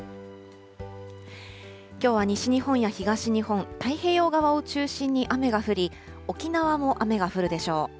きょうは西日本や東日本、太平洋側を中心に雨が降り、沖縄も雨が降るでしょう。